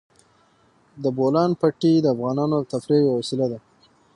د بولان پټي د افغانانو د تفریح یوه وسیله ده.